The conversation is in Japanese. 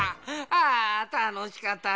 ああたのしかったな。